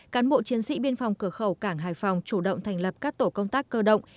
cán bộ chiến sĩ biên phòng cửa khẩu cảng hải phòng chủ động thành lập các tổ công tác cơ động